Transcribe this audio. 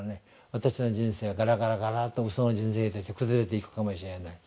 私の人生はガラガラガラとうその人生として崩れていくかもしれない。